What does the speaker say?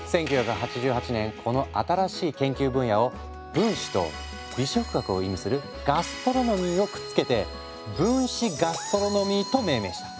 １９８８年この新しい研究分野を分子と美食学を意味するガストロノミーをくっつけて「分子ガストロノミー」と命名した。